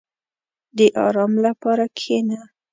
• د آرام لپاره کښېنه.